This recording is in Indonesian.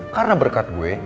karena berkat gue